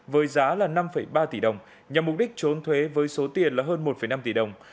với giá là năm ba tỷ đồng nhằm mục đích trốn thuế với số tiền là hơn một năm tỷ đồng